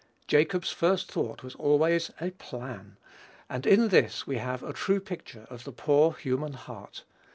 Jacob's first thought was always a plan; and in this we have a true picture of the poor human heart.